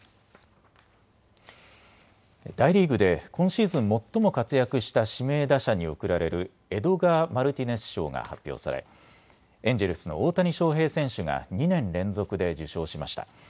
大リーグで今シーズン最も活躍した指名打者に贈られるエドガー・マルティネス賞が発表されエンジェルスの大谷翔平選手が２年連続で受賞しました。